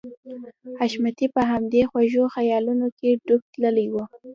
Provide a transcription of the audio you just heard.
حشمتي په همدې خوږو خيالونو کې ډوب تللی و.